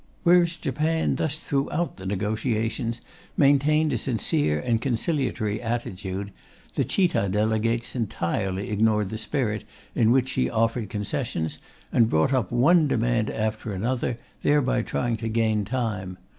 Whereas Japan thus throughout the negotiations maintained a sincere and conciliatory attitude, the Chita delegates entirely ignored the spirit in which she offered concessions and brought up one demand after another, thereby trying to gain time.